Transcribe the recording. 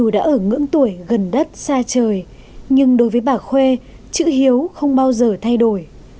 dù đã ở ngưỡng tuổi gần đất xa trời nhưng đối với bà khuê chữ hiếu không bao giờ thay đổi